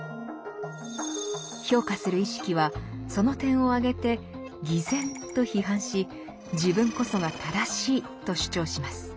評価する意識はその点を挙げて「偽善」と批判し自分こそが正しいと主張します。